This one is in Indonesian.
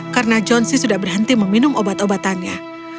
karena johnsy sudah berhenti meminum obat obatannya